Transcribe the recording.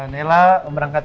nela mau berangkat ya